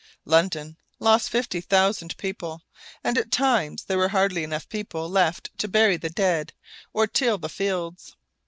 London lost fifty thousand people, and at times there were hardly enough people left to bury the dead or till the fields.